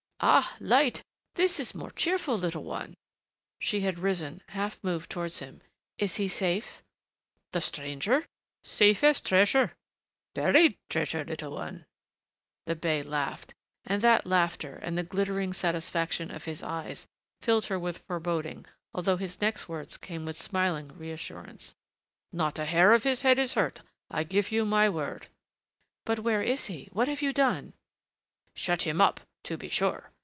"Ah, light! This is more cheerful, little one." She had risen, half moved towards him. "Is he safe?" "The stranger? Safe as treasure buried treasure, little one." The bey laughed, and that laughter and the glittering satisfaction of his eyes, filled her with foreboding although his next words came with smiling reassurance. "Not a hair of his head is hurt, I give you my word." "But where is he what have you done?" "Shut him up, to be sure.